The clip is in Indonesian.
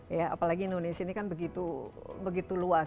ya apalagi indonesia ini kan begitu luas